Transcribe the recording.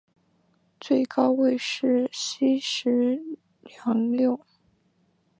最高位是西十两六。